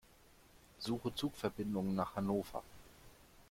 Suche Zugverbindungen nach Hannover.